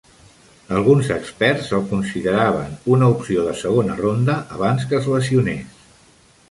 Alguns experts el consideraven una opció de segona ronda abans que és lesiones.